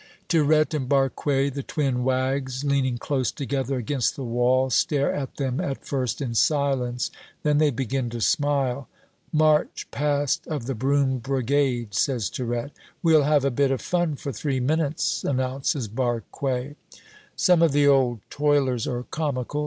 Tirette and Barque, the twin wags, leaning close together against the wall, stare at them, at first in silence. Then they begin to smile. "March past of the Broom Brigade," says Tirette. "We'll have a bit of fun for three minutes," announces Barque. Some of the old toilers are comical.